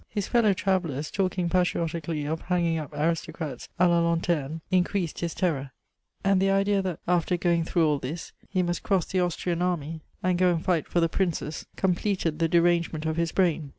His fellow travellers, talking patriotically of hanging up aristocrats h la lanteme^ increased Ids terror ; and the idea that, a^r going through fdl this, he must cross the Austrian army and go and fight for the princes^ completed the derangement of his brain.